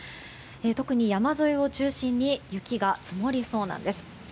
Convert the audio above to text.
特に山沿いを中心に雪が積もりそうなんです。